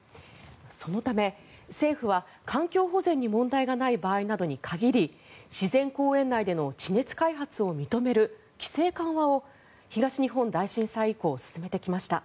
そのため政府は、環境保全に問題がない場合などに限り自然公園内での地熱開発を進める規制緩和を東日本大震災以降進めてきました。